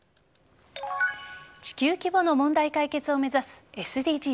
地球規模の問題解決を目指すＳＤＧｓ。